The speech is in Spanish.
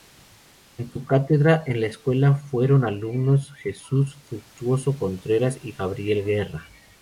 En su cátedra en la escuela fueron alumnos Jesús Fructuoso Contreras y Gabriel Guerra.